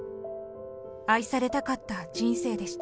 愛されたかった人生でした。